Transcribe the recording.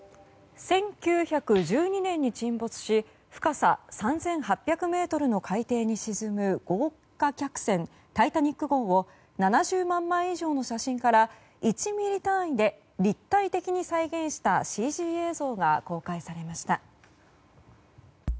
１９１２年に沈没し深さ３８００ｍの海底に沈む豪華客船「タイタニック号」を７０万枚以上の写真から１ミリ単位で立体的に再現したＣＧ映像が公開されました。